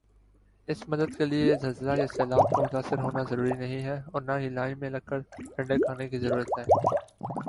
اس مدد کیلئے زلزلہ یا سیلاب کا متاثر ہونا ضروری نہیں ھے اور نہ ہی لائن میں لگ کر ڈانڈے کھانے کی ضرورت ھے